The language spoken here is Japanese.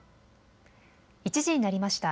１時になりました。